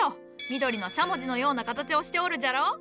緑のしゃもじのような形をしておるじゃろ。